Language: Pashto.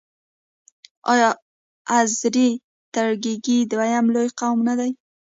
آیا آذری ترکګي دویم لوی قوم نه دی؟